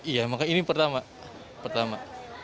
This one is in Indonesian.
ya maka ini pertama